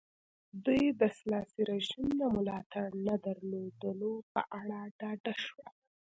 دوی د سلاسي رژیم د ملاتړ نه درلودلو په اړه ډاډه شول.